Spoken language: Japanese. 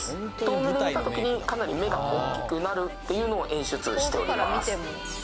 遠目で見たときにかなり目が大きくなるっていうのを演出しております